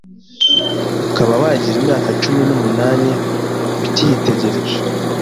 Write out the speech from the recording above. ukaba wagira imyaka cumi nuumunani ukiyitegereje.